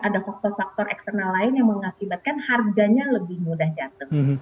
ada faktor faktor eksternal lain yang mengakibatkan harganya lebih mudah jatuh